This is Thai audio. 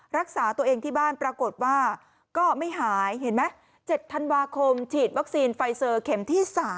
รักษาตัวเองที่บ้านปรากฏว่าก็ไม่หายเห็นไหม๗ธันวาคมฉีดวัคซีนไฟเซอร์เข็มที่๓